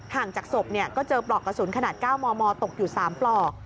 จากศพก็เจอปลอกกระสุนขนาด๙มมตกอยู่๓ปลอก